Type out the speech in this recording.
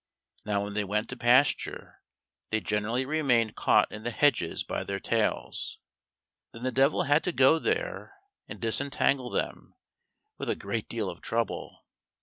Now when they went to pasture, they generally remained caught in the hedges by their tails, then the Devil had to go there and disentangle them, with a great deal of trouble.